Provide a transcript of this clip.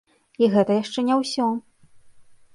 І гэта яшчэ не ўсё!